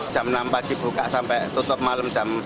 jam enam pagi buka sampai tutup malam jam sembilan